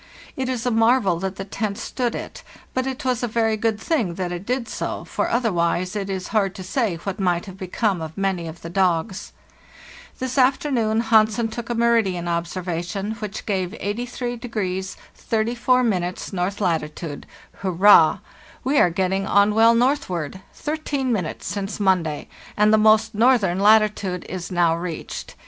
It is a marvel that the tent stood it; but it was a very good thing that it did do so, for other wise it is hard to say what might have become of many of the dogs. This afternoon Hansen took a meridian observation, which gave 83° 34' north latitude. Hurrah! THE NEW YEAR, 1895 61 We are getting on well northward — thirteen minutes since Monday—and the most northern latitude is now reached.